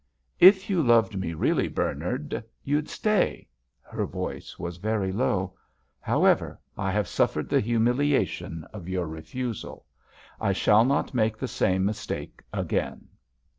"If you loved me really, Bernard, you'd stay." Her voice was very low. "However, I have suffered the humiliation of your refusal. I shall not make the same mistake again."